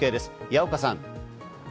矢岡さん。